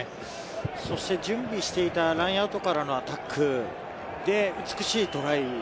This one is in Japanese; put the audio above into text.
そして準備していたラインアウトからのアタック。